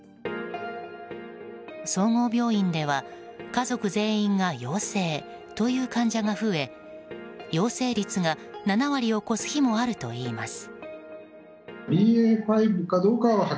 総合病院では家族全員が陽性という患者が増え陽性率が７割を超す日もあるといいます。